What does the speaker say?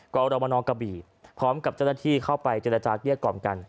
ก็เอามานอกกระบีพร้อมกับเจ้าหน้าที่เข้าไปเจรจาเรียกกล่อมกัน